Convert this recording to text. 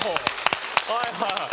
はいはい。